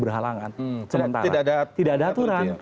berhalangan tidak ada aturan